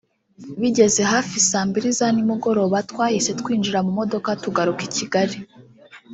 Bigeze hafi saa mbiri za nimugoroba twahise twinjira mu modoka tugaruka i Kigali